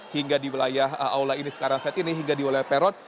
hingga di wilayah aula ini sekarang saat ini hingga di wilayah peron